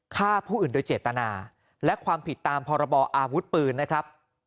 ฆ่าผู้อื่นโดยเจตนาและความผิดตามพรบออาวุธปืนนะครับ